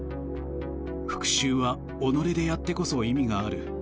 復しゅうは己でやってこそ意味がある。